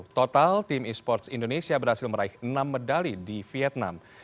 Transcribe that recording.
total tim e sports indonesia berhasil meraih enam medali di vietnam